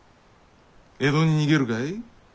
江戸に逃げるかい？